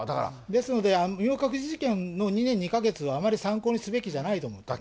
ですので、明覚寺事件の２年２か月は、あまり参考にすべきじゃないと思います。